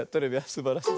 すばらしい。